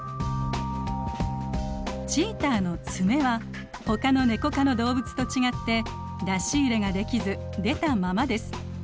チーターの爪はほかのネコ科の動物と違って出し入れができず出たままです。